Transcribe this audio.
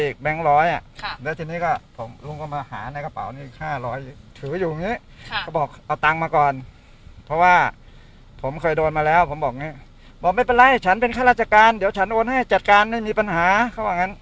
เคยโดนมาแล้วผมบอกอย่างเงี้ยบอกไม่เป็นไรฉันเป็นข้าราชการเดี๋ยวฉันโอนให้จัดการไม่มีปัญหาเขาบอกงั้น